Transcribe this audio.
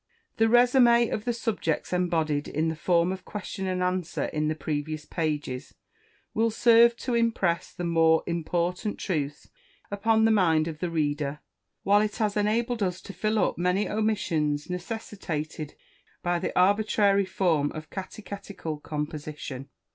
This resume of the subjects embodied in the form of question and answer in the previous pages, will serve to impress the more important truths upon the mind of the reader, while it has enabled us to fill up many omissions necessitated by the arbitrary form of catechetical composition.